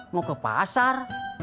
mau ke pasar